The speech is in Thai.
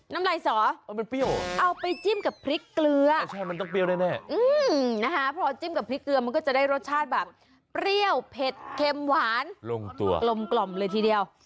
น้ำไรส่อเอาไปจิ้มกับพริกเกลือพอจิ้มกับพริกเกลือมันก็จะได้รสชาติแบบเปรี้ยวเผ็ดเค็มหวานลมกล่อมเลยทีเดียว